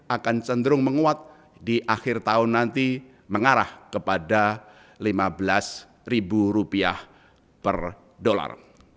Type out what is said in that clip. akan cenderung menguat di akhir tahun nanti mengarah kepada lima belas rupiah per dolar